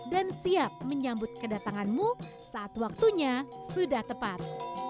dan siap menyambut kedatanganmu saat waktunya sudah tepat